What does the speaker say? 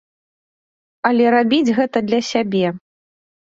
Але рабіць гэта для сябе.